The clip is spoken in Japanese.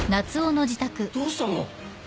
どうしたの？